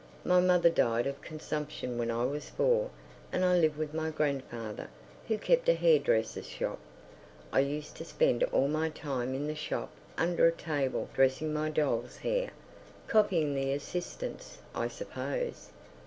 My mother died of consumption when I was four, and I lived with my grandfather, who kept a hair dresser's shop. I used to spend all my time in the shop under a table dressing my doll's hair—copying the assistants, I suppose.